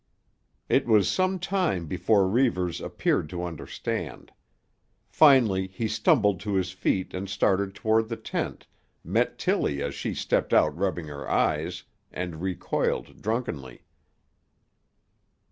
It was some time before Reivers appeared to understand. Finally he stumbled to his feet and started toward the tent, met Tillie as she stepped out rubbing her eyes, and recoiled drunkenly.